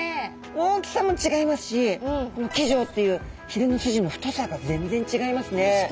大きさも違いますしこの鰭条っていうひれの筋の太さが全然違いますね。